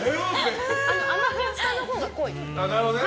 甘みは下のほうが濃い。